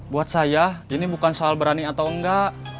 buat saya ini bukan soal berani atau enggak